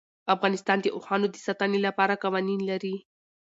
افغانستان د اوښانو د ساتنې لپاره قوانین لري.